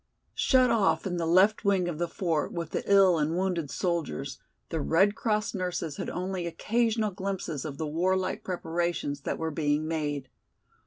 Shut off in the left wing of the fort with the ill and wounded soldiers, the Red Cross nurses had only occasional glimpses of the warlike preparations that were being made.